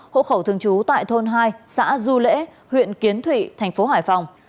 hộ khẩu thường trú tại thôn hai xã du lễ huyện kiến thụy tp hải phòng